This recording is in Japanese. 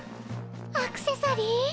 アクセサリー？